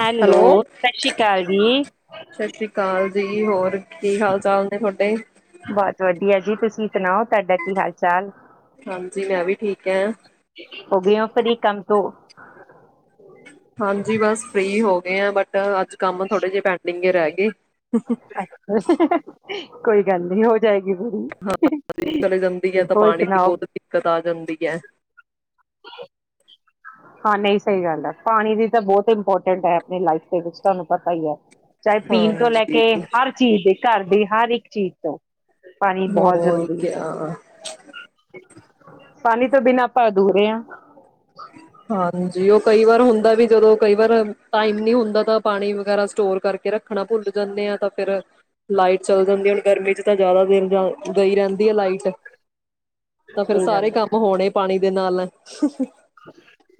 Hello, Sat Sri ਅਕਾਲ ਜੀ ਦੀ ਹੋਰ ਕੀ ਹਾਲ ਚਾਲ ਨੇ ਤੁਹਾਡੇ? ਬਹੁਤ ਵਧੀਆ ਜੀ ਤੁਸੀਂ ਸੁਣਾਓ ਤੁਹਾਡਾ ਕੀ ਹਾਲ ਚਾਲ, ਹਾਂਜੀ, ਮੈਂ ਵੀ ਠੀਕ ਐ। ਹੋ ਗਏ ਹੋ ਫਰੀ ਕੰਮ ਹੋ ਹਾਂਜੀ ਬਸ ਫ੍ਰਰੀ ਹੋ ਗਏ ਆ ਬਟ ਅੱਜ ਕੰਮ ਥੋੜੇ ਜਿਹੇ ਪੈਂਡਿੰਗ ਹੀ ਰਹਿ ਗਏ [inaudible] ਕੋਈ ਗੱਲ ਨੀ ਹੋਰ ਹਾਂ ਚਲੀ ਜਾਂਦੀ ਹੈ ਤਾਂ ਹੋਰ ਪਾਣੀ ਦੀ ਸੁਣਾਓ? ਬਹੁਤ ਦਿੱਕਤ ਆ ਜਾਂਦੀ ਹੈ [inaudible] ਹਾਂ ਨਹੀਂ ਸਹੀ ਗੱਲ ਹੈ ਪਾਣੀ ਦੀ ਤਾਂ ਬਹੁਤ ਇੰਪੋਰਟੈਂਟ ਹੈ ਆਪਣੀ ਲਾਈਫ ਦੇ ਵਿੱਚ ਤੁਹਾਨੂੰ ਪਤਾ ਹੀ ਹੈ ਚਾਹੇ ਪੀਣ ਤੋਂ ਲੈ ਹਾਂਜੀ, ਕੇ ਹਰ ਚੀਜ਼ ਦੇ ਘਰ ਦੀ ਹਰ ਇੱਕ ਚੀਜ਼ ਤੋਂ ਪਾਣੀ ਬਹੁਤ ਹੋਰ ਜ਼ਰੂਰੀ ਕਿਆ। ਪਾਣੀ ਤੋਂ ਬਿਨਾਂ ਆਪਾਂ ਅਧੂਰੇ ਹਾਂ ਜੀ ਉਹ ਕਈ ਵਾਰ ਹੁੰਦਾ ਵੀ ਜਦੋਂ ਕਈ ਵਾਰ ਟਾਈਮ ਨੀ ਹੁੰਦਾ ਤਾਂ ਪਾਣੀ ਵਗੈਰਾ ਸਟੋਰ ਕਰਕੇ ਰੱਖਣਾ ਭੁੱਲ ਜਾਂਦੇ ਆ ਤਾਂ ਫਿਰ ਲਾਈਟ ਚੱਲ ਜਾਂਦੀ ਹੈ ਹੁਣ ਗਰਮੀ ਚ ਤਾਂ ਜ਼ਿਆਦਾ ਦੇਰ ਜਾ ਗਈ ਰਹਿੰਦੀ ਹੈ ਲਾਈਟ ਤਾਂ ਫੇਿਰ ਸਹੀ ਸਾਰੇ ਗੱਲ ਹੈ। ਕੰਮ ਹੋਣੇ ਪਾਣੀ ਦੇ ਨਾਲ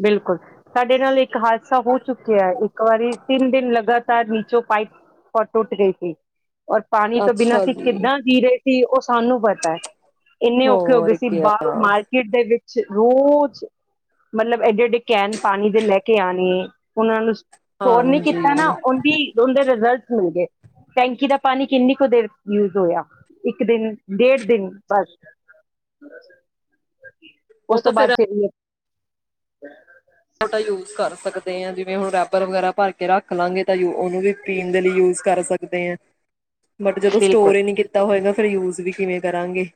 ਬਿਲਕੁਲ ਸਾਡੇ ਨਾਲ ਇੱਕ ਹਾਦਸਾ ਹੋ ਚੁੱਕਿਆ ਇੱਕ ਵਾਰੀ ਤਿੰਨ ਦਿਨ ਲਗਾਤਾਰ ਨੀਚੋਂ ਪਾਈਪ ਟੁੱਟ ਗਈ ਸੀ ਔਰ ਪਾਣੀ ਤੋਂ ਬਿਨਾਂ ਅਸੀਂ ਕਿੱਦਾਂ ਜੀ ਰਹੇ ਸੀ ਉਸ ਸਾਨੂੰ ਪਤਾ ਹੈ ਇੰਨੇ ਔਖੇ ਹੋ ਗਏ ਹੋਰ ਸੀ ਕਿਆ ਬਾਹਰੋਂ ਮਾਰਕੀਟ ਦੇ ਵਿੱਚ ਰੋਜ਼ ਮਤਲਬ ਐਡਡ ਕੈਨ ਪਾਣੀ ਦੇ ਲੈ ਕੇ ਆਉਣੇ ਉਣ ਜ਼ੋਰ ਨੀ ਹਾਂਜੀ ਕੀਤਾ ਨਾ ਉਹਦੀ ਉਹਦੇ ਰਿਜ਼ਲਟ ਮਿਲ ਗਏ ਟੈਂਕੀ ਦਾ ਪਾਣੀ ਕਿੰਨੀ ਕੁ ਦੇਰ ਯੂਜ ਹੋਇਆ ਇੱਕ ਦਿਨ ਡੇਢ ਦਿਨ ਬਸ ਉਹ ਉਸ ਤੋਂ ਤਾਂ ਬਾਅਦ ਫੇਰ ਫਿਰ ਤੇ ਤੁਹਾਟਾ ਯੂਜ ਕਰ ਸਕਦਾ ਆ ਜਿਵੇਂ ਹੁਣ ਰੱਬਰ ਵਗੈਰਾ ਭਰ ਕੇ ਰੱਖ ਲਵਾਂਗੇ ਤਾਂ ਜੋ ਉਹਨੂੰ ਵੀ ਪੀਣ ਦੇ ਲਈ ਯੂਜ ਕਰ ਸਕਦੇ ਹ ਬਟ ਜਦੋਂ ਬਿਲਕੁਲ ਸਟੋਰ ਹੀ ਨਹੀ ਕੀਤਾ ਹੋਏਗਾ ਫ ਯੂਜ ਵੀ ਕਿਵੇਂ ਕਰਾਂਗੇ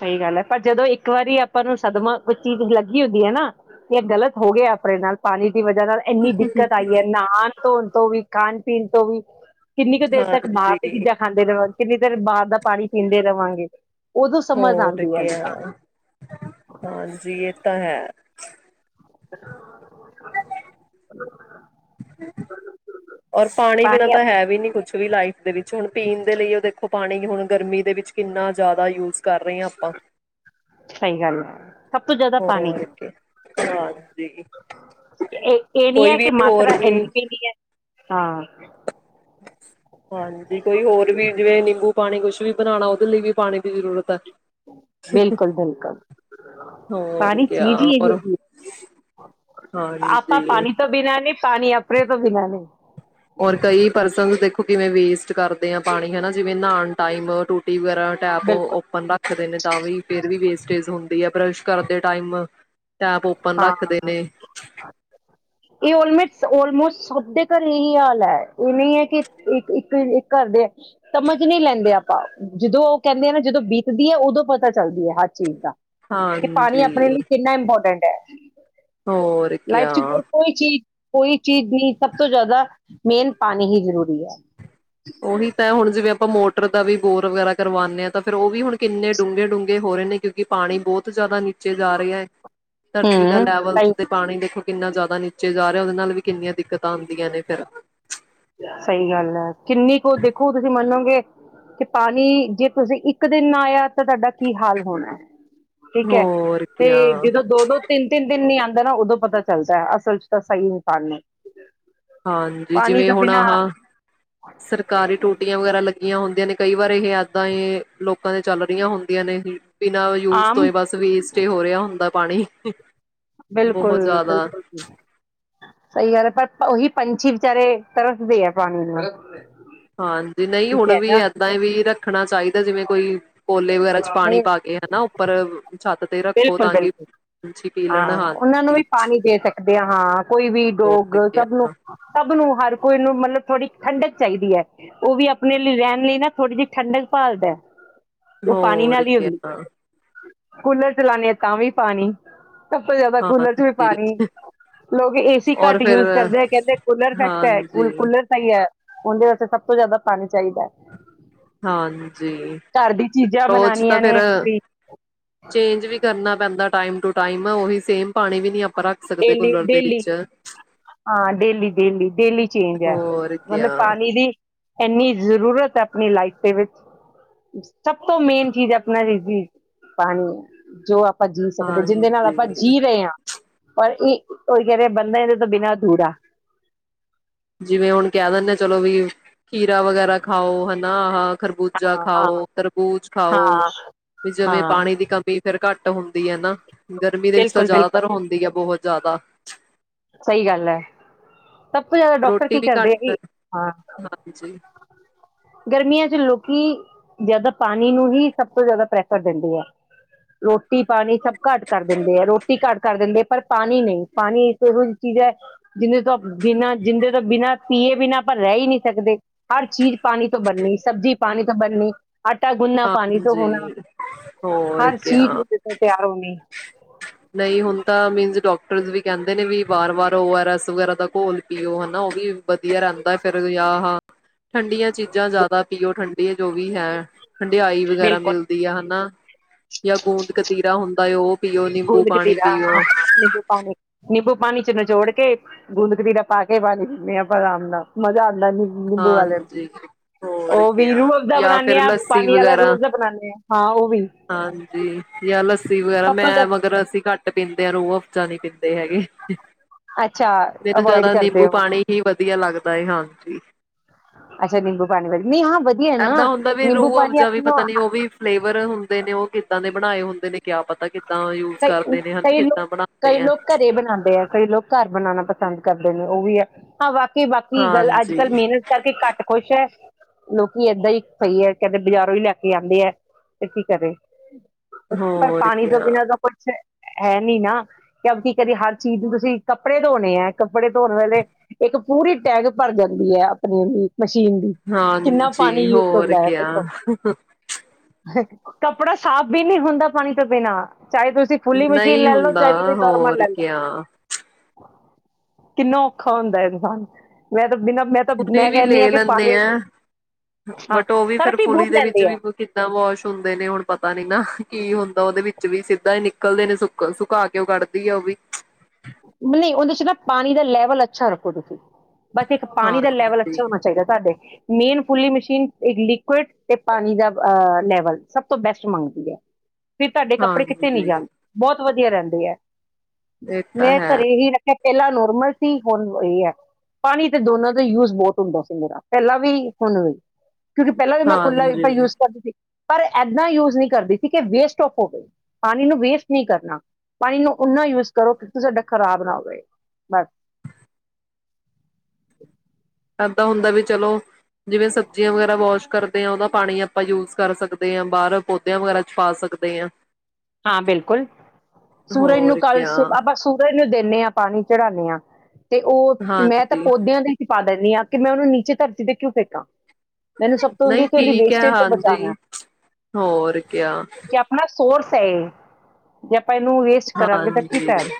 ਸਹੀ ਗੱਲ ਹੈ ਪਰ ਜਦੋਂ ਇੱਕ ਵਾਰੀ ਆਪਾਂ ਨੂੰ ਸਦਮਾ ਕੁਝ ਚੀਜ਼ ਲੱਗੀ ਹੁੰਦੀ ਹੈ ਨਾ ਇਹ ਗਲਤ ਹੋ ਗਿਆ ਆਪਣੇ ਨਾਲ ਪਾਣੀ ਦੀ ਵਜ੍ਹਾ ਨਾਲ ਇੰਨੀ ਦਿੱਕਤ ਆਈ ਹੈ ਨਾਹਾ ਧੋਣ ਤੋਂ ਵੀ ਖਾਣ ਪੀਣ ਤੋਂ ਵੀ ਕਿੰਨੀ ਕੁ ਦੇਰ ਤੱਕ ਬਾਹਰ ਦੀ ਹਾਂਜੀ ਚੀਜ਼ਾਂ ਖਾਂਦੇ ਰਾਂ ਕਿੰਨੀ ਦੇਰ ਬਾਾਹਰ ਦਾ ਪਾਣੀ ਪੀਂਦੇ ਰਵਾਂਗੇ। ਉਦੋਂ ਸਮਝ ਹੋਰ ਆਉਂਦੀ ਹੈ ਕ ਹਾਂਜੀ ਇਹ ਤਾਂ ਹੈ। [unintelligible] [unintelligible] ਔਰ ਪਾਣੀ ਬਿਨਾਂ ਤਾਂ ਹੈ ਵੀ ਨੀ ਕੁੱਝ ਕੁਛ ਵੀ ਲਾਈਫ ਦੇ ਵਿੱਚ ਹੁਣ ਪੀਣ ਦੇ ਲਈ ਉਹ ਦੇਖੋ ਪਾਣੀ ਵੀ ਹੁਣ ਗਰਮੀ ਦੇ ਵਿੱਚ ਕਿੰਨਾ ਜ਼ਿਆਦਾ ਯੂਜ਼ ਕਰ ਰਹੇ ਹਾਂ ਆਪਾਂ ਸਹੀ ਗੱਲ ਹੈ ਸਭ ਤੋਂ ਜ਼ਿਆਦਾ ਪਾਣੀ ਹੋਰ ਕੀ, ਹਾਂਜੀ ਇ ਇਹ ਨੀਂ ਕੋਈ ਐ ਵੀ ਕਿ ਮਾਤਰਾ ਹੋਰ ਵੀ ਇੰਨੀ ਪੀਣੀ ਹੈ ਹਾਂ। ਹਾਂਜੀ ਕੋਈ ਹੋਰ ਵੀ ਜਿਵੇਂ ਨਿੰਬੂ ਪਾਣੀ ਕੁਛ ਵੀ ਬਣਾਉਣਾ ਉਹਦੇ ਲਈ ਵੀ ਪਾਣੀ ਦੀ ਜ਼ਰੂਰਤ ਹੈ। ਬਿਲਕੁਲ ਬਿਲਕੁਲ, ਹੋਰ ਪਾਣੀ ਕਿਆ ਚੀਜ਼ ਈ ਇਹੋ ਹੋਰ ਜਿਹੀ ਐ, ਆਪਾਂ ਹਾਂਜੀ। ਪਾਣੀ ਤੋਂ ਬਿਨਾਂ ਨੀਂ, ਪਾਣੀ ਆਪਣੇ ਫਿਰ ਤੁਸੀਂ ਹੈਨੀਂ। ਹੋਰ ਕਈ ਪਰਸਨ ਦੇਖੋ ਕਿਵੇਂ ਵੇਸਟ ਕਰਦੇ ਆ ਪਾਣੀ ਹਨਾਂ, ਜਿਵੇਂ ਨਾਣ ਟਾਈਮ ਟੂਟੀ ਕਈ ਵਾਰੀ ਟੈਪ ਬਿਲਕੁਲ ਓਪਨ ਰੱਖ ਦੇ ਨੇ ਤਾਂ ਵੀ ਫਿਰ ਵੀ ਬੇਸ ਤੇਜ਼ ਹੁੰਦੀ ਆ ਬਰਸ਼ ਕਰਦੇ ਟਾਈਮ। ਟੈਪ ਓਪਨ ਰੱਖਦੇ ਹਾਂ ਨੇ। ਇਹ ਆਲਮੋਸਟ ਆਲਮੋਸਟ ਸਭ ਦੇ ਘਰ ਇਹੀ ਹਾਲ ਐ, ਇਹ ਨਹੀਂ ਹੈ ਕਿ ਇੱਕ ਇੱਕ ਇੱਕ ਘਰ ਦੇ ਸਮਝ ਨਹੀਂ ਲੈਂਦੇ ਆਪਾਂ ਜਦੋਂ ਉਹ ਕਹਿੰਦੇ ਆ ਨਾ ਜਦੋਂ ਬੀਤਦੀ ਐ, ਉਦੋਂ ਪਤਾ ਚੱਲਦੀ ਐ ਹਰ ਚੀਜ਼ ਦਾ। ਇੱਕ ਪਾਣੀ ਆਪਣੇ ਹਾਂਜੀ। ਲਈ ਕਿੰਨਾ ਇੰਪੋਰਟੈਂਟ ਹੋਰ [inaudible] ਲਾਈਫ ਚ ਕਿਆ ਹੋਰ ਕੋਈ ਚੀਜ਼ ਕੋਈ ਚੀਜ਼ ਨੀ ਸਭ ਤੋਂ ਜ਼ਿਆਦਾ ਮੇਨ ਪਾਣੀ ਹੀ ਜ਼ਰੂਰੀ ਐ। ਉਹੀ ਤਾਂ ਹੁਣ ਜਿਵੇਂ ਆਪਾਂ ਮੋ ਟਰ ਦਾ ਵੀ ਬੋਰ ਵਗੈਰਾ ਕਰਵਾਉਣੇ ਆਂ ਤਾਂ ਫਿਰ ਉਹ ਵੀ ਹੁਣ ਕਿੰਨੇ ਡੂੰਘੇ-ਡੂੰਘੇ ਹੋ ਰਹੇ ਨੇ ਕਿਉਂਕਿ ਪਾਣੀ ਬੋਤ ਭ ਤੋਂ ਜ਼ਿਆਦਾ ਨੀਚੇ ਚਜਾ ਰਿਹਾ ਧਰਤੀ ਦਾ ਹੂੰ ਲੈਵਲ ਸਹੀ ਤੇ ਪਾਣੀ ਦੇਖੋ ਕਿੰਨਾ ਜ਼ਿਆਦਾ ਨੀਚੇ ਨਿਚੇਂ ਜਾ ਰਿਹਾ ਉਹਦੇ ਨਾਲ ਵੀ ਕਿੰਨੀਆਂ ਦਿੱਕਤਾਂ ਆਉਂਦੀਆਂ ਨੇ ਫਿਰ ਸਹੀ ਗੱਲ ਐ। ਕਿੰਨੀ ਕੁ ਦੇਖੋ ਤੁਸੀਂ ਮੰਨੋਗੇ ਕਿ ਪਾਣੀ ਜੇ ਤੁਸੀਂ ਇੱਕ ਦਿਨ ਨਾ ਆਇਆ ਤਾਂ ਤੁਆਡਾ ਕੀ ਹਾਲ ਹੋਣਾ। ਠੀਕ ਐ, ਹੋਰ ਤੇ ਕਿਆ ਜਦੋਂ ਦੋ-ਦੋ, ਤਿੰਨ-ਤਿੰਨ ਦਿਨ ਨੀਂ ਆਂਦਾ ਨਾ ਉਦੋਂ ਪਤਾ ਚੱਲਦਾ ਐ, ਅਸਲ ਚ ਤਾਂ ਸਹੀ ਨੀਂ ਪਾ ਹਾਂਜੀ ਜਿਵੇਂ ਹੁਣ ਆਹਾ ਸਰਕਾਰੀ ਟੂਟੀਆਂ ਵਗੈਰਾ ਲੱਗੀਆਂ ਹੁੰਦੀ ਦਿਨ ਕਈ ਵਾਰ ਇਹ ਏਦਾਂ ਈ ਲੋਕ ਲੋਕਾਂ ਦੇ ਚੱਲ ਰਹੀਆਂ ਹੁੰਦੀਆਂ ਨੇ, ਹੀ ਬਿਨਾਂ ਯੂਜ ਤੋਂ ਆਮ ਹੀ ਬਸ ਵੇਸ ਤੇਂ ਹੋ ਰਿਹਾ ਹੁੰਦਾ ਪਾਣੀ, ਬਿਲਕੁਲ ਬਹੁਤ ਜ਼ਿਆਦਾ -ਬਿਲਕੁਲ ਸਹੀ ਗੱਲ ਹੈ। ਪਰ ਉਹੀ ਪੰਛੀ ਵਿਚਾਰੇ ਤਰਸਦੇ ਆ ਪਾਣੀ ਨੂੰ, ਹਾਂਜੀ, ਨਹੀਂ ਠੀਕ ਹੁਣ ਹੈ ਵੀ ਨਾ ਏਦਾਂ ਹੀ ਵੀ ਰੱਖਣਾ ਚਾਹੀਦਾ, ਜਿਵੇਂ ਕੋਈ ਕੋਲੇ ਵਗੈਰਾ। ਚ' ਪਾਣੀ ਪਾ ਕੇ ਹਨਾ ਉੱਪਰ, ਛੱਤ ਤੇ ਰੱਖੋ ਤਾਂ ਕਿ ਬਿਲਕੁਲ-ਬਿਲਕੁਲ ਪੰਛੀ ਪੀ ਲੈਣ ਹਾਂ ਉਹਨਾਂ ਨੂੰ ਵੀ ਹਾਂਜੀ ਪਾਣੀ ਦੇ ਸਕਦੇ ਹ ਹਾਂ ਕੋਈ ਵੀ ਡੋਗ ਹੋਰ ਸਭ ਨੂੰ, ਕਿਆ ਸਭ ਨੂੰ ਹਰ ਕੋਈ ਨੂੰ ਮਤਲਬ ਥੋੜ੍ਹੀ ਠੰਡਕ ਚਾਹੀਦੀ ਹੈ ਉਹ ਵੀ ਆਪਣੇ ਲਈ ਰਹਿਣ ਲਈ ਨਾ ਥੋੜ੍ਹੀ ਜਿਹੀ ਠੰਡਕ ਭਾਲਦਾ। ਉਹ ਪਾਣੀ ਹੋਰ ਨਾਲ ਹੀ ਹੁੰਦੀ ਕਿਆ [unintelligible] ਕੂਲਰ ਚਲਾਨੇ ਆ ਹਾਂ ਤਾਂ ਵੀ ਪਾਣੀ। ਸਭ ਤੋਂ ਜ਼ਿਆਦਾ ਕੂਲਰ ਚ ਵੀ ਹਾਂਜੀ ਪਾਣੀ ਲੋਕ ਏ ਸੀ ਔਰ ਘੱਟ ਫਿਰ ਯੂਜ ਕਰਦੇ ਹੈ ਕਹਿੰਦੇ ਕੂਲਰ ਫੈਕਟ ਹੈ ਹਾਂਜੀ ਕੂਲਰ ਸਹੀ ਹੈ। ਉਹਦੇ ਵਾਸਤੇ ਸਭ ਤੋਂ ਜ਼ਿਆਦਾ ਪਾਣੀ ਚਾਹੀਦਾ। ਹਾਂਜੀ ਘਰ ਦੀ ਚੀਜ਼ਾਂ ਉਹ ਚ ਤਾਂ ਬਣਾਉਣੀਆਂ ਫਿਰ ਨੇ ਵੀ ਚੇਂਜ ਵੀ ਕਰਨਾ ਪੈਂ ਦਾ ਟਾਈਮ ਟੂ ਟਾਈਮ ਆ ਉਹੀ ਸੇਮ ਪਾਣੀ ਵੀ ਨੀ ਆਪਾਂ ਰੱਖ ਸਕਦੇ ਕੂਲਰ ਦੇ ਡੇਲੀ-ਡੇਲੀ ਵਿੱਚ ਹਾਂ ਡੇਲੀ-ਡੇਲੀ, ਡੇਲੀ ਚੇਂਜ ਹੈ ਹੋਰ ਮਤਲਬ ਕਿਆ ਪਾਣੀ ਦੀ ਇੰਨੀ ਜ਼ਰੂਰਤ ਹੈ ਆਪਣੀ ਲਾਈਫ ਦੇ ਵਿੱਚ ਸਭ ਤੋਂ ਮੇਨ ਚੀਜ਼ ਆਪਣਾ ਰਿਜ਼ੀਜ਼ ਪਾਣੀ ਹੈ ਜੋ ਆਪ ਆਪਾਂ ਜੀਅ ਸਕਦੇ ਹਾਂ ਜਿਹਦੇ ਨਾਲ ਆਪਾਂ ਹਾਂਜੀ ਜੀਅ ਰਹੇ ਹਾਂ ਪਰ ਇਹ ਉਹੀ ਕਹਿ ਰਹੇ ਆ ਬੰਦਾ ਇਹਦੇ ਤੋਂ ਬਿਨਾਂ ਅਧੂਰਾ। ਜਿਵੇਂ ਹੁਣ ਕਹਿ ਦਿੰਦੇ ਚਲੋ ਵੀ ਖੀਰਾ ਵਗੈਰਾ ਖਾਓ ਹਨਾ ਆਹਾ ਖਰਬੂਜਾ ਹਾਂ ਹਾਂ ਖਾਓ, ਤਰਬੂਜ ਖਾਓ ਹਾਂ ਵੀ ਜਿਵੇਂ ਹਾਂ ਪਾਣੀ ਦੀ ਕਮੀ ਫੇਰ ਘੱਟ ਹੁੰਦੀ ਹੈ ਨਾ। ਗਰਮੀ ਦੇ ਵਿੱਚ ਤਾਂ ਬਿਲਕੁਲ ਬਿਲਕੁਲ ਜ਼ਿਆਦਾਤਰ ਹੁੰਦੀ ਹੈ ਬਹੁਤ ਜ਼ਿਆਦਾ। ਸਹੀ ਗੱਲ ਹੈ। ਸਭ ਤੋਂ ਜ਼ਿਆਦਾ ਡਾਕਟਰ ਰੋਟੀ ਕੀ ਵੀ ਕਰਦੇ ਆ ਘੱਟ ਜ ਹਾਂ ਹਾਂਜੀ ਗਰਮੀਆਂ ਚ ਲੋਕੀ ਜ਼ਿਆਦਾ ਪਾਣੀ ਨੂੰ ਹੀ ਸਭ ਤੋਂ ਜ਼ਿਆਦਾ ਪ੍ਰੈਫਰ ਦਿੰਦੇ ਹੈ ਰੋਟੀ ਪਾਣੀ ਸਭ ਘੱਟ ਕਰ ਦਿੰਦੇ ਹੈ ਰੋਟੀ ਘੱਟ ਕਰ ਦਿੰਦੇ ਹੈ ਪਰ ਪਾਣੀ ਨਹੀਂ ਪਾਣੀ ਇਹੋ ਜਿਹੀ ਚੀਜ਼ ਹੈ ਜਿੰਹਦੇ ਤੋਂ ਬਿਨਾਂ ਜਿੰਦੇ ਤੋਂ ਬਿਨਾਂ ਪੀਏ ਬਿਨਾਂ ਆਪਾਂ ਰਹਿ ਹੀ ਨੀ ਸਕਦੇ ਹਰ ਚੀਜ਼ ਪਾਣੀ ਤੋਂ ਬਣਨੀ ਸਬਜ਼ੀ ਪਾਣੀ ਤੋਂ ਬਣਨੀ ਆਟਾ ਗੁੰਨਨਾ ਪਾਣੀ ਤੋਂ ਹੋਣਾ ਹਾਂਜੀ। ਹੋਰ ਹਰ ਚੀਜ਼ ਕਿਆ, ਉਹਦੇ ਤੋਂ ਤਿਆਰ ਹੋਣੀ ਨਹੀਂ ਹੁਣ ਤਾਂ ਮੀਨਜ਼ ਡਾ ਟਰਸ ਵੀ ਕਹਿੰਦੇ ਨੇ, ਵੀ ਵਾਰ-ਵਾਰ ਓ ਐਰ ਐਸ, ਵਗੈਰਾ ਦਾ ਘੋਲ ਪੀਓ ਹਨਾ ਉਹ ਵੀ ਵਧੀਆ, ਰਹਿੰਦਾ ਫਿਰ ਆ, ਹਾਂ ਠੰਡੀਆਂ ਚੀਜ਼ਾਂ ਜ਼ਿਆਦਾ ਪੀਓ ਠੰਡ ਇਹ ਜੋ ਵੀ ਹੈ। ਠੰਡਿਆਈ ਵਗੈਰਾ ਬਿਲਕੁਲ ਮਿਲਦੀ ਆ ਹਨਾ, ਯਾਂ ਗੂੰਦ ਕਤੀਰਾ ਹੁੰਦਾ ਹੈ, ਉਹ ਪੀਓ, ਨਿੰਬੂ ਗੂੰਦ ਪਾਣੀ ਕਤੀਰਾ ਪੀਓ। ਹਾਂ ਨਿੰਬੂ ਪਾਣੀ ਨਿੰਬੂ ਪਾਣੀ ਚ ਨਚੋੜ ਕੇ ਗੂੰਦ ਕਦੀਰਾ ਪਾ ਕੇ, ਪਾ ਦਿੰਦੇ ਹਾਂ ਆਰਾਮ ਨਾਲ, ਮਜ਼ਾ ਆ ਨਿੰਬੂ ਵਾਲੇ ਨੂੰ। ਹਾਂਜੀ। ਹੋਰ ਉਹ ਵੀ ਕਿਆ। ਰੂਅਫਜਾ ਜਾਂ ਬਣਾਂਨੇ ਫਿਰ ਆਂ ਪਾ ਲੱਸੀ ਵਗੈਰਾ ਹਾਂਜੀ। ਯਾਂ ਲੱਸੀ ਵਗੈਰਾ ਪੱਪਲ ਦਾ ਮੈਂ ਮਗਰ, ਅੱਸੀਂ ਘੱਟ ਪੀਂਦੇ ਹਾਂ ਰੋਆਫ [inaudible] ਪੀਂਦੇ ਹੈਗੇ, ਅੱਛਾ ਮੈਨੂੰ ਅਵੋਇਡ ਜਿਆਦਾ ਕਰਦੇ ਨਿੰਬੂ ਹੋ ਪਾਣੀ ਹੀ ਵਧੀਆ ਲੱਗਦੈ। ਹਾਂਜੀ। ਅੱਛਾ, ਨਿੰਬੂ ਪਾਣੀ ਵਾਲੀ। ਨਹੀਂ ਹਾਂ ਵਧੀਆ ਹੈ ਨਾ ਐਦਾਂ ਹੁੰਦਾ ਵੀ ਨਿੰਬੂ ਪਾਣੀ ਰੁਅਫਜਾ ਵੀ ਆਪਣਾ ਪਤਾ ਨੀ, ਉਹ ਵੀ ਫਲੇਵਰ ਹੁੰਦੇ ਨੇ, ਉਹ ਕਿੱਦਾਂ ਦੇ ਬਣਾਏ ਹੁੰਦੇ ਨੇ। ਕਿਆ ਪਤਾ ਕਿ ਕਈ, ਕਈ ਲੋਕ, ਕਈ ਆ ਲੋਕ ਘਰੇ ਬਣਾਂਦੇ ਆ, ਕਈ ਲੋਕ ਘਰ ਬਣਾਣਾ ਪਸੰ ਪਸੰਦ ਕਰਦੇ ਨੇ ਉਹ ਵੀ ਹੈ [unintelligible] ਕਿ ਬਾਕੀ ਗੱਲ ਅੱਜ ਕੱਲ, ਹਾਂਜੀ। ਮਿਹਨਤ ਕਰਕੇ ਘੱਟ ਖੁਸ਼ ਹੈ। ਲੋਕੀ ਏਦਾਂ ਹੀ ਸਹੀ ਹੈ, ਕਹਿੰਦੇ ਬਾਜ਼ਾਰੋਂ ਹੀ ਲੈ ਕੇ ਆਉਂਦੇ ਹੈ, ਤੇ ਕੀ ਕਰੇ। ਪਰ, ਹੋਰ ਪਾਣੀ ਤੋਂ ਕਿਆ ਬਿਨਾਂ ਦਾ ਹੈ, ਨੀ, ਨਾ ਕਿ, ਕੀ ਕਰੀਏ ਹਰ ਚੀਜ਼ ਨੂੰ ਤੁਸੀਂ ਕੱਪੜੇ ਧੋਣੇ ਏ ਕੱਪੜੇ ਧੋਣ ਵੇਲੇ ਇੱਕ ਪੂਰੀ ਟੈਗ ਭਰ ਜਾਂਦੀ ਹੈ। ਆਪਣੀ ਹੀ ਹਾਂਜੀ। ਹੋਰ, ਹੁੰਦਾ ਹੈ ਕਿਆ। ਦੇਖੋ ਕੱਪੜਾ ਸਾਫ਼ ਵੀ ਨਹੀਂ ਹੁੰਦਾ, ਪਾਣੀ ਤੋਂ ਬਿਨਾਂ ਚਾਹੇ ਤੁਸੀਂ ਫੁੱਲੀ ਮਸ਼ੀਨ ਨਹੀਂ ਲੈ ਲੋ, ਹੁੰਦਾ ਚਾਹੇ ਤੁਸੀਂ ਨੋਰਮਲ ਹੋਰ ਲੈ ਕਿਆ ਲੋ। ਕਿੰਨਾ ਔਖਾ ਹੁੰਦਾ ਇਨਸਾਨ ਮੈਂ ਤਾਂ ਬਿਨਾਂ ਮੈਂ ਤਾਂ ਫੁਲੀ ਮੈਂ ਵੀ ਲੇ ਕਹਿੰਦੀ ਆ ਕਿ ਲੇਂਦੇ ਪਾਣੀ ਆ ਹਾਂ ਬਟ, ਉਹ ਵੀ ਫੇਰ ਸਰਫੀ ਫੁਲੀ ਬਹੁਤ ਦੇ ਵਿੱਚ ਲੈਂਦੇ ਆ ਵੀ ਕਿੱਦਾਂ ਵਾਸ਼ ਹੁੰਦੇ ਨੇ, ਹੁਣ ਪਤਾ ਨੀ ਨਾ ਕੀ ਹੁੰਦਾ ਉਹਦੇ ਵਿੱਚ ਵੀ ਸਿੱਧਾ ਹੀ ਨਿਕਲਦੇ ਨੇ, ਸੁਕ- ਸੁਕਾ ਕੇ ਉਹ ਕੱਢਦੀ ਆ। ਉਹ ਵੀ ਨਹੀਂ ਉਹਦੇ ਚ ਨਾ, ਪਾਣੀ ਦਾ ਲੈਵਲ ਅੱਛਾ ਰੱਖੋ, ਤੁਸੀਂ ਬਸ ਇੱਕ ਪਾਣੀ ਦਾ ਲੈਵਲ ਹਾਂਜੀ ਅੱਛਾ ਹੋਣਾ ਚਾਹੀਦਾ, ਤੁਹਾਡੇ। ਮੇਨ ਫੁੱਲੀ ਮਸ਼ੀਨ ਇੱਕ ਲਿਕਵਿਡ ਤੇ, ਪਾਣੀ ਦਾ ਅਹ ਲੈਵਲ ਸਭ ਤੋਂ ਬੈਸਟ ਮੰਗਦੀ ਹੈ। ਫਿਰ ਤੁਹਾਡੇ ਕੱਪੜੇ ਕਿੱਤੇ ਨੀ ਹਾਂਜੀ ਜਾਂਦੇ ਬਹੁਤ ਵਧੀਆ ਰਹਿੰਦੀ ਹੈ। ਇੱਕ ਮੈਂ, ਘਰੇ ਹੀ ਰ ਪਹਿਲਾਂ ਨੋਰਮਲ ਸੀ, ਹੁਣ ਇਹ ਹੈ ਪਾਣੀ ਤੇ ਦੋਨਾਂ ਦਾ ਯੂਜ ਬਹੁਤ ਹੁੰਦਾ ਸੀ ਮੇਰਾ ਪਹਿਲਾਂ ਵੀ ਹੁਣ ਵੀ। ਕਿਉਂਕਿ ਪਹਿਲਾਂ ਵੀ ਮੈਂ ਖੁੱਲਲਾ ਹਾਂਜੀ ਯੂਜ ਕਰਦੀ ਸੀ ਪਰ ਇੱਦਾਂ ਯੂਜ ਨਹੀਂ ਕਰਦੀ ਸੀ ਕਿ ਵੇਸਟ ਔਫ ਹੋਵੇ ਪਾਣੀ ਨੂੰ ਵੇਸਟ ਨਹੀਂ ਕਰਨਾ ਪਾਣੀ ਨੂੰ ਓਨਾ ਯੂਜ ਕਰੋ ਸਾਡਾ ਖਰਾਬ ਨਾ ਹੋਵੇ ਬਸ ਇੱਦਾਂ ਹੁੰਦਾ ਵੀ ਚਲੋ ਜਿਵੇਂ ਸਬਜ਼ੀਆਂ ਵਗੈਰਾ ਵਾਸ਼ ਕਰਦੇ ਹਾਂ ਉਹਦਾ ਪਾਣੀ ਆਪਾਂ ਯੂਜ ਕਰ ਸਕਦੇ ਹਾਂ ਬਾਹਰ ਪੌਦਿਆਂ ਵਗੈਰਾ ਛ ਪਾ ਸਕਦੇ ਹਾਂ ਹਾਂ ਬਿਲਕੁਲ ਸੂਰਜ ਨੂੰ ਹੋਰ ਕੱਲ ਕਿਆ ਸੁਬਾ ਆਪਾਂ ਸੂਰਜ ਨੂੰ ਦਿਨੇ ਆ ਪਾਣੀ ਚੜਾਂਨੇ ਹਾਂ। ਤੇ ਉਹ, ਮੈਂ ਤਾਂ ਹਾਂਜੀ ਪੌਦਿਆਂ ਦੇ ਵਿੱਚ ਪਾ ਦੇਨੀ ਹਾਂ। ਤੇ ਮੈਂ ਉਹਨੂੰ ਨੀਚੇ ਧਰਤੀ ਤੇ ਕਿਉਂ ਫੇਕਾਂ। ਮੈਨੂੰ ਸਭ ਤੋਂ ਹੁੰਦੀ ਨਹੀਂ ਕਿ ਉਹਦੀ ਠੀਕ ਹੈ ਵੇਸਟੇਜ ਤੋਂ ਬਚਾਉਣੇ, ਹਾਂਜੀ ਹੋਰ ਕਿਆ ਕਿ ਆਪਣਾ ਸੋਰਸ ਹੇ [unintelligible] ਯਪ। ਆਪਾਂ ਇਹਨੂੰ ਵੇਸਟ ਕਰਾਂਗੇ ਤਾਂ ਕੀ ਹਾਂਜੀ ਫਾਇਦਾ,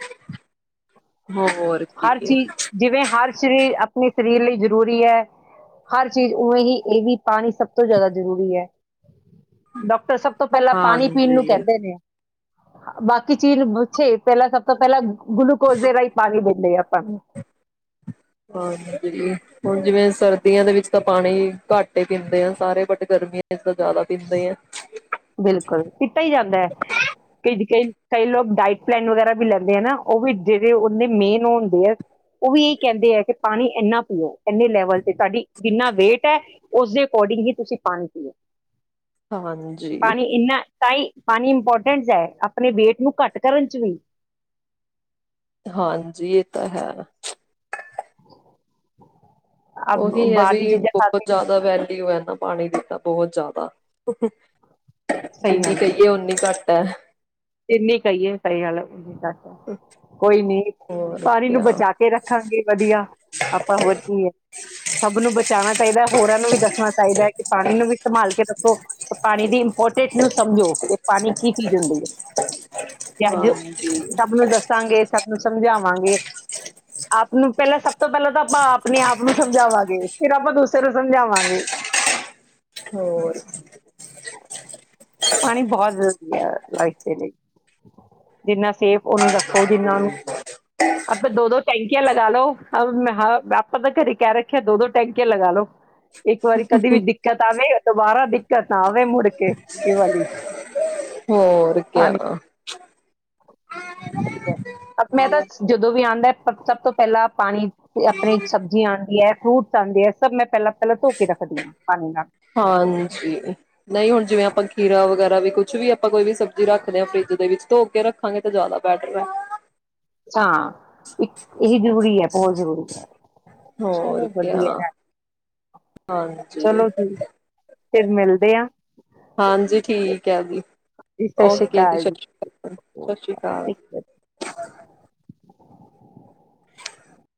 ਹੋਰ ਹਰ ਕੀ ਚੀਜ਼ ਜਿਵੇਂ ਹਰ ਸਰੀਰ ਆਪਣੇ ਸਰੀਰ ਲਈ ਜ਼ਰੂਰੀ ਹੈ, ਹਰ ਚੀਜ਼ ਉਵੇਂ ਹੀ ਇਹ ਵੀ ਪਾਣੀ ਸਭ ਤੋਂ ਜ਼ਿਆਦਾ ਜ਼ਰੂਰੀ ਹੈ। ਡਾਕਟਰ ਸਭ ਤੋਂ ਪਹਿਲਾਂ ਪਾਣੀ ਪੀਣ ਨੂੰ ਹਾਂਜੀ ਬਾਕੀ ਚੀਜ਼ ਪੁੱਛੇ ਪਹਿਲਾਂ ਸਭ ਤੋਂ ਪਹਿਲਾਂ ਰੁੱਖ ਗੁਲੂਕੋਜ ਦੇ ਰਾਹੀਂ ਪਾਣੀ ਦੇ। ਲ [unintelligible] ਹਾਂ [inaudible] ਹੁਣ ਜਿਵੇਂ ਸਰਦੀਆਂ ਦੇ ਵਿੱਚ ਤਾਂ ਪਾਣੀ ਘੱਟ ਹੀ ਪੀਂਦੇ ਆ ਸਾਰੇ, ਬਟ ਗਰਮੀਆਂ ਵਿੱਚ ਤਾਂ ਜ਼ਿਆਦਾ ਪੀਂਦੇ ਆ। ਬਿਲਕੁਲ ਪੀਤਾ ਹੀ ਜਾਂਦਾ ਹੈ ਕਈ ਕਈ ਕਈ ਲੋਕ ਡਾਇਟ ਪਲੈਨ ਵਗੈਰਾ ਵੀ ਲੈਂਦੇ ਆ ਨਾ। ਉਹ ਵੀ ਜਿਹੜੇ ਉਹਨੇ ਮੇਨ ਉਹ ਹੁੰਦੇ ਹੈ ਉਹ ਵੀ ਇਹੀ ਕਹਿੰਦੇ ਹੈ, ਕਿ ਪਾਣੀ ਇੰਨਾ ਪੀਓ ਇੰਨੇ ਲੈਵਲ ਸਾਡੀ ਏਨਾ ਵੇਟ ਹੈ। ਉਸੇ ਅਕੋਡਿੰਗ ਹੀ ਤੁਸੀਂ ਪਾਣੀ ਪੀਓ। [unintelligible] ਪਾਣੀ ਇੰਨਾ ਤਾਂ ਹੀ ਪਾਣੀ ਇੰਪੋਰਟੈਂਟ ਹੈ, ਆਪਣੇ ਵੇਟ ਨੂੰ ਘੱਟ ਕਰਨ ਚ ਵ। ਹਾਂਜੀ ਇਹ ਤਾਂ ਹੈ। ਅਬ ਉਹੀ ਹੈ ਬਾਹਰ ਦੀ ਵੀ ਚੀਜ਼ਾਂ ਖਾ ਬਹੁਤ ਕੇ ਜ਼ਿਆਦਾ ਵੈਲ ਟੂਯੂਬਵੈਲ ਦਾ ਪਾਣੀ ਪੀਤਾ ਬਹੁਤ ਜ਼ਿਆਦਾ। ਜਿੰਨੀ ਕਹੀਏ ਓਨੀ ਘੱਟ ਹੈ। ਇਨੀ ਕਹੀਏ ਸਹੀ ਗੱਲ ਹੈ। ਕੋਈ ਨੀ ਹੋਰ ਪਾਣੀ ਨੂੰ ਕਿਆ ਬਚਾ ਕੇ ਰੱਖਾਂਗੇ ਵਧੀਆ, ਆਪਾਂ ਹੋਰ ਕੀ ਏ ਸਭ ਨੂੰ ਬਚਾਉਣਾ ਚਾਹੀਦੈ ਹੋਰਾਂ ਨੂੰ ਵੀ ਦੱਸ। ਚਾਹੀਦਾ ਹੈ ਕਿ ਪਾਣੀ ਨੂੰ ਵੀ ਸੰਭਾਲ ਕੇ ਰੱਖੋ, ਪਾਣੀ ਦੀ ਇੰਪੋਰਟੈਂਸ ਨੂੰ ਸਮਝੋ, ਕੇ ਪਾਣੀ ਕੀ ਚੀਜ ਹੂੰਦੀ ਏ। ਤੇ ਅੱਜ ਹਾਂਜੀ ਸਭ ਨੂੰ ਦੱਸਾਂਗੇ ਸਭ ਨੂੰ ਸਮਜਾ ਸਮਝਾਵਾਂਗੇ ਆਪ ਨੂੰ ਪਹਿਲਾਂ ਸਭ ਤੋਂ ਪਹਿਲਾਂ ਤਾਂ ਆਪਾਂ ਆਪਣੇ ਆਪ ਨੂੰ ਸਮਝਾਵਾਂਗੇ ਫਿਰ ਆਪਾਂ ਦੂਸਰੇ ਨੂੰ ਸਮਝਾਵਾਂਗੇ ਹੋਰ ਪਾਣੀ ਬਹੁਤ ਜ਼ਰੂਰੀ ਆ ਲਾਈ ਜਿੰਨਾ ਸੇਫ ਉਹਨੂੰ ਰੱਖੋ ਜਿੰਨਾ ਉਹਨੂੰ ਆਪ ਦੋ ਦੋ ਟੈਂਕੀਆਂ ਲਗਾ ਲੋ ਮੈਂ ਆਪਾਂ ਦੇ ਘਰੇ ਕਹਿ ਰੱਖਿਆ ਦੋ ਦੋ ਟੈਂਕੀਆਂ ਲਗਾ ਲੋ ਇੱਕ ਵਾਰੀ ਕਦੇ ਵੀ ਦਿੱਕਤ ਆਵੇ ਦੁਬਾਰਾ ਦਿੱਕਤ ਨਾਵੇ ਮੁੜ ਕੇ ਇਹ ਵਾਲੀ ਹੋਰ ਕਿਆ ਪਾਣੀ ਮੈਂ ਤਾਂ ਜਦੋਂ ਵੀ ਆਉਂਦਾ ਸਭ ਤੋਂ ਪਹਿਲਾਂ ਪਾਣੀ ਆਪਣੇ ਸਬਜ਼ੀਆਂ ਆਉਂਦੀ ਹੈ ਫਰੂਟਸ ਆਉਂਦੇ ਹੈ ਸਭ ਮੈਂ ਪਹਿਲਾਂ ਪਹਿਲਾਂ ਧੋ ਕੇ ਰੱਖਦੀ ਹਾਂ ਪਾਣੀ ਨਾਲ ਹਾਂਜੀ ਨਹੀਂ ਹੁਣ ਜਿਵੇਂ ਆਪਾਂ ਖੀਰਾ ਵਗੈਰਾ ਵੀ ਕੁਝ ਕੁਛ ਵੀ ਆਪਾਂ ਕੋਈ ਵੀ ਸਬਜ਼ੀ ਰੱਖਦੇ ਹਾਂ ਫਰਿੱਜ ਦੇ ਵਿੱਚ ਧੋ ਕੇ ਰੱਖਾਂਗੇ ਤਾਂ ਜ਼ਿਆਦਾ ਬੈਟਰ ਹੈ ਹਾਂ ਇੱਕ ਇਹੀ ਜ਼ਰੂਰੀ ਹੈ ਬਹੁਤ ਜ਼ਰੂਰੀ ਹੈ ਹੋਰ ਚਲੋ ਕਿਆ ਵਧੀਆ ਹਾਂਜੀ। ਚਲੋ ਠੀਕ ਫਿਰ ਮਿਲਦੇ ਆ ਹਾਂਜੀ ਠੀਕ ਹੈ ਜੀ, ਓਕੇ ਜੀ ਸਤਿ ਸ੍ਰੀ ਅਕਾਲ ਸਤਿ ਸ੍ਰੀ ਅਕਾਲ।